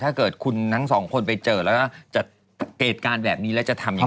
ถ้าเกิดคุณทั้งสองคนไปเจอแล้วก็เหตุการณ์แบบนี้แล้วจะทำยังไง